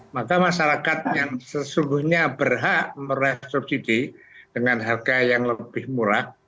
maka masyarakat yang sesungguhnya berhak merek subsidi dengan harga yang lebih murah